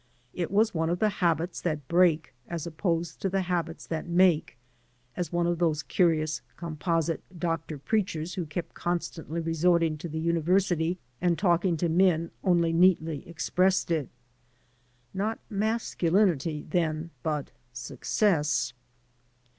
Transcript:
It was one of the habits that break as opposed to the habits that make, as one of those curious composite doctor preachers who kept constantly resorting to the uni versity and talking to men only neatly expressed it. Not exactly masculinity, then, but success.